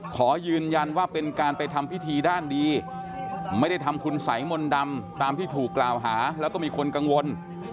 ขอยืนยันว่าเป็นการไปทำพิธีด้านดีไม่ได้ทำคุณสัยมนต์ดำตามที่ถูกกล่าวหาแล้วก็มีคนกังวล